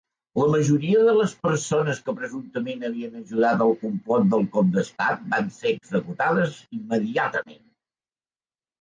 La majoria de les persones que presumptament havien ajudat al complot del cop d'estat van ser executades immediatament.